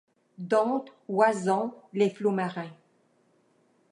Dompte, oison, les flots marins.